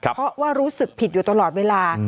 เพราะว่ารู้สึกผิดอยู่ตลอดเวลา